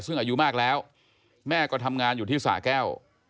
ซึ่งอายุมากแล้วแม่ก็ทำงานอยู่ที่สาแก้ว